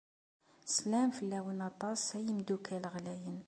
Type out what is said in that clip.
Sslam fell-awen aṭas, ay imeddukkal ɣlayen.